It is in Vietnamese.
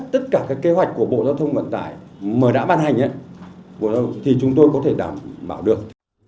tất cả các kế hoạch của bộ giao thông vận tải mà đã ban hành thì chúng tôi có thể đảm bảo được